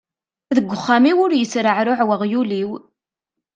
Deg uxxam-iw ur yesreɛruɛ uɣyul-iw!